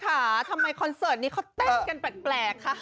เบิร์ทค่ะทำไมคอนเสิร์ตนี้เขาแต้นกันแปลกคะ